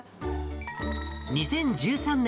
２０１３年